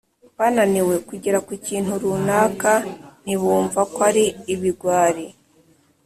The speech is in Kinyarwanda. bananiwe kugera ku kintu runaka ntibumva ko ari ibigwari